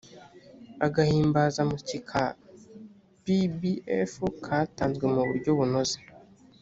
agahimbazamusyi ka pbf katanzwe mu buryo bunoze